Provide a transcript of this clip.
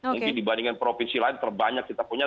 mungkin dibandingkan provinsi lain terbanyak kita punya